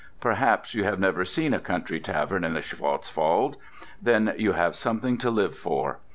Perhaps you have never seen a country tavern in the Schwarzwald? Then you have something to live for.